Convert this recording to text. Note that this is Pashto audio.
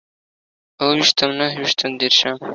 اوويشتم، نهويشتم، ديرشم